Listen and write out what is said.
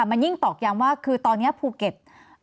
มันยิ่งตดยังว่าตอนนี้ภูเกต